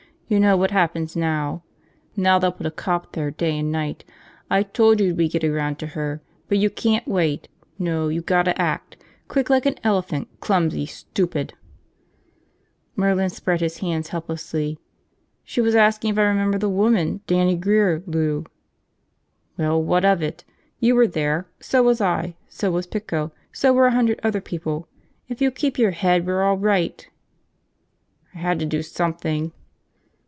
"You know what happens now? Now they'll put a cop there day and night. I told you we'd get around to her, but you can't wait! No, you gotta act, quick like an elephant, clumsy, stupid ..." Merlin spread his hands helplessly. "She was asking if I remembered the woman. Dannie Grear, Lou!" "Well, what of it? You were there. So was I. So was Pico. So were a hundred other people. If you keep your head, we're all right." "I had to do something!"